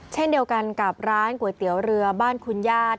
เช่นเดียวกันกับร้านก๋วยเตี๋ยวเรือบ้านคุณญาติ